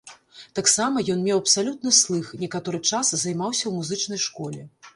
Таксама ён меў абсалютны слых, некаторы час займаўся ў музычнай школе.